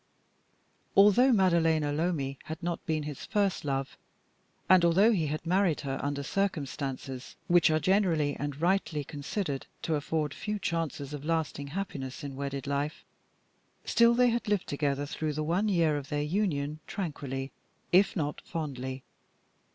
Although Maddalena Lomi had not been his first love, and although he had married her under circumstances which are generally and rightly considered to afford few chances of lasting happiness in wedded life, still they had lived together through the one year of their union tranquilly, if not fondly.